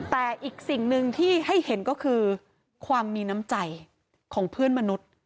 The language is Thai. แต่อีกสิ่งหนึ่งที่ให้เห็นก็คือความมีน้ำใจของเพื่อนมนุษย์